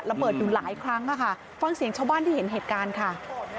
อยู่หลายครั้งค่ะฟังเสียงชาวบ้านที่เห็นเหตุการณ์ค่ะ